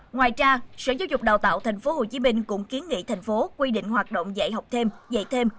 ngoài ra sở giáo dục đào tạo tp hcm cũng kiến nghị tp hcm quy định hoạt động dạy học thêm dạy thêm